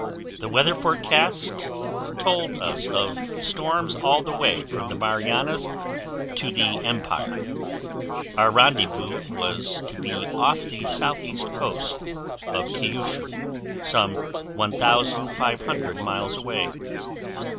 The weather forecast told us of storms all the way from the Marianas to the Empire. Our rendezvous was to be off the southeast coast of Kyushu, some 1500 miles away.